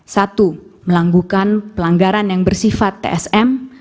satu melanggukan pelanggaran yang bersifat tsm